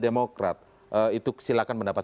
demokrat itu silahkan mendapat